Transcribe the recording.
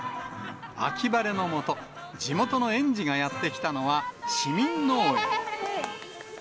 秋晴れの下、地元の園児がやって来たのは市民農園。